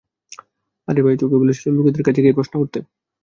আরে ভাই, তো কে বলেছিল, লোকেদের কাছে গিয়ে প্রশ্ন করতে?